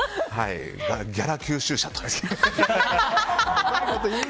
ギャラ吸収車と。